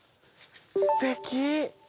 すてき。